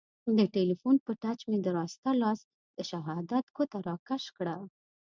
د تیلیفون په ټچ مې د راسته لاس د شهادت ګوته را کش کړه.